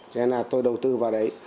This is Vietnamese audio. cho nên là tôi đầu tư vào đấy